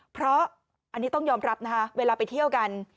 เพราะอันนี้ต้องยอมรับนะคะเวลาไปเที่ยวกัน